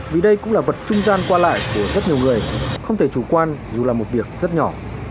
vì đây cũng là vật trung gian qua lại của rất nhiều người không thể chủ quan dù là một việc rất nhỏ